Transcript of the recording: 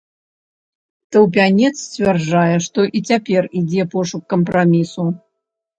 Таўпянец сцвярджае, што і цяпер ідзе пошук кампрамісу.